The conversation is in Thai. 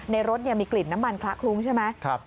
ในรถมีกลิ่นน้ำมันคละคลุ้งใช่ไหม